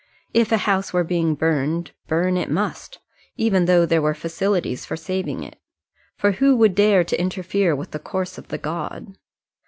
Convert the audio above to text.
If a house were being burned, burn it must, even though there were facilities for saving it. For who would dare to interfere with the course of the god?